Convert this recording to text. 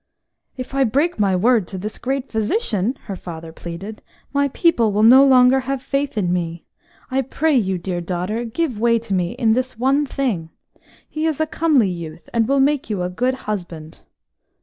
"If I break my word to this great physician," her father pleaded, "my people will no longer have faith in me. I pray you, dear daughter, give way to me in this one thing. He is a comely youth, and will make you a good husband."